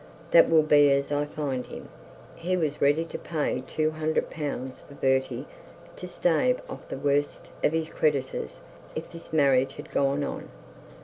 'That will be as I find him. He was ready to pay two hundred pounds for Bertie, to stave off the worst of his creditors, if this marriage had gone on.